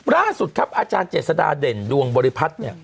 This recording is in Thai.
ล่าสุดครับอาจารย์เจษฎาเด่นดวงบริพัฒน์เนี่ย